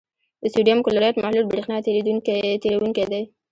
د سوډیم کلورایډ محلول برېښنا تیروونکی دی.